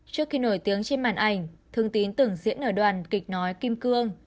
trước khi nổi tiếng trên màn ảnh thương tín tưởng diễn ở đoàn kịch nói kim cương